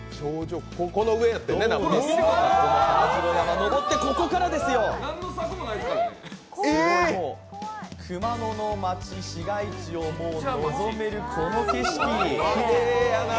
華城山を登って、ここからですよ、熊野の町、市街地を望めるこの景色。